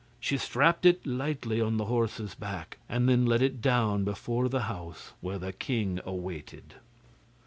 She strapped it lightly on the horse's back, and then led it down before the house, where the king waited.